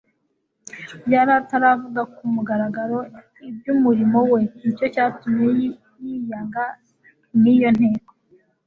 Yari ataravuga ku mugaragaro iby'umurimo we, nicyo cyatumye yiyanga n'iyo nteko,